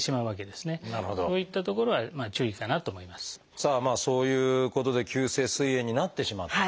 さあそういうことで急性すい炎になってしまったと。